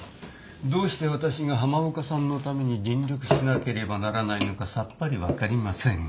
どうして私が浜岡さんのために尽力しなければならないのかさっぱり分かりませんが。